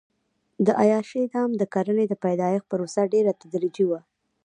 د عیاشۍ دام د کرنې د پیدایښت پروسه ډېره تدریجي وه.